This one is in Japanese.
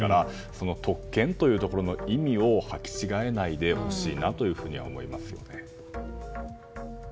その特権というところの意味を履き違えないでほしいと思いますね。